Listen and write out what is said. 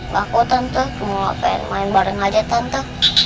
gak kok tante semua pengen main bareng aja tante